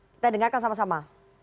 kita dengarkan sama sama